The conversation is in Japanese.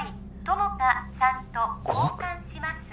友果さんと交換します